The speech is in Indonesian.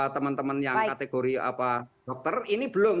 teman teman yang kategori dokter ini belum